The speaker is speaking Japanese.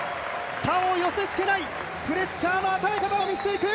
他を寄せつけないプレッシャーの与え方を見せていく！